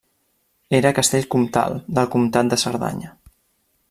Era castell comtal, del Comtat de Cerdanya.